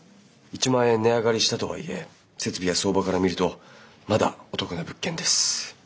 １万円値上がりしたとはいえ設備や相場から見るとまだお得な物件です。